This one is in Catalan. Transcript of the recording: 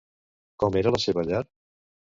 Com era la seva llar?